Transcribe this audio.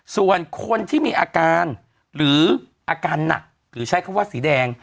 ส่วนคนที่มีอาการหรืออาการหนักหรือใช้คำว่าสีแดง